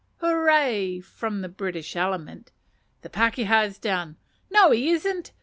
"Hooray!" (from the British element). "The pakeha is down!" "No, he isn't!"